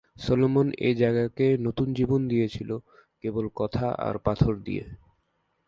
Solomon এ জায়গাকে নতুন জীবন দিয়েছিল, কেবল কথা আর পাথর দিয়ে!